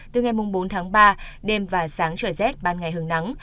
từ ngày bốn ba đêm và sáng trời rét ban ngày hướng nắng